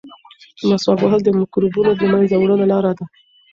مسواک وهل د مکروبونو د له منځه وړلو لاره ده.